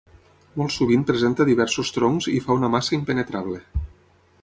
Molt sovint presenta diversos troncs i fa una massa impenetrable.